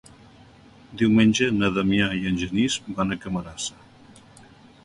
Diumenge na Damià i en Genís van a Camarasa.